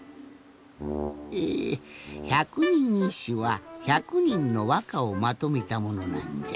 ええひゃくにんいっしゅはひゃくにんのわかをまとめたものなんじゃ。